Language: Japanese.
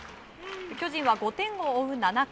巨人は５点を追う７回。